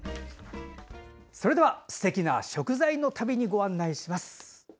それではすてきな食材の旅にご案内します。